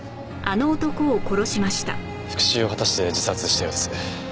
復讐を果たして自殺したようです。